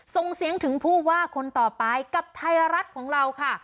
ส่งเสียงถึงผู้ว่าคนต่อไปกับไทยรัฐของเราค่ะ